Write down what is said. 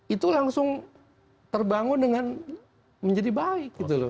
itu langsung terbangun dengan menjadi baik gitu loh